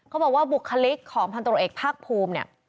เขาบอกว่าบุคลิกของพันธุ์ตำรวจเอกภาคภูมิ